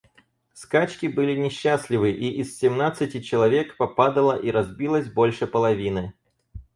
Скачки были несчастливы, и из семнадцати человек попадало и разбилось больше половины.